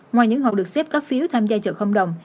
ngoài những hộ được xếp các phiếu tham gia chợ không đồng